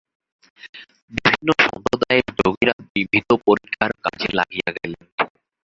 বিভিন্ন সম্প্রদায়ের যোগীরা বিবিধ পরীক্ষার কাজে লাগিয়া গেলেন।